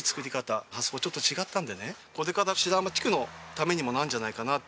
これから白浜地区のためにもなるんじゃないかなって。